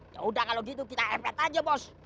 ya udah kalau gitu kita empet aja bos